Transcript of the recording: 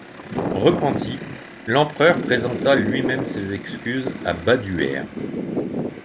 Repenti, l’empereur présenta lui-même ses excuses à Baduaire.